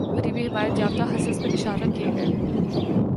ترغیبی حمایتیافتہ حصص پر نشانہ کیے گئے